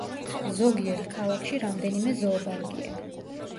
ზოგიერთ ქალაქში რამდენიმე ზოოპარკია.